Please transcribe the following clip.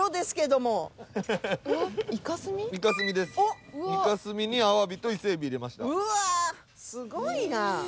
すごいなぁ。